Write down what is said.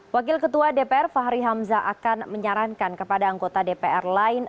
wakil ketua dpr fahri hamzah akan menyarankan kepada anggota dpr lain